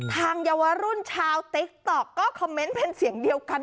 เยาวรุ่นชาวติ๊กต๊อกก็คอมเมนต์เป็นเสียงเดียวกัน